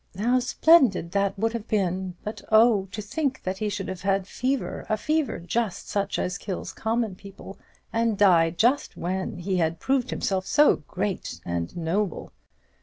'how splendid that would have been! but, oh, to think that he should have a fever a fever just such as kills common people and die, just when he had proved himself so great and noble!'